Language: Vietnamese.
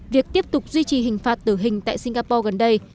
việc tiếp tục duy trì hình phạt tử hình tại singapore gần đây